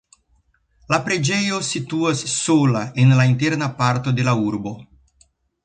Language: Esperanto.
La preĝejo situas sola en la interna parto de la urbo.